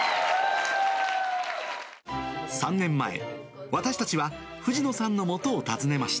３年前、私たちは藤野さんのもとを訪ねました。